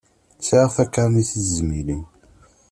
Sεiɣ takarnit i tezmilin.